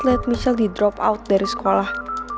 net michelle di drop out dari sekolah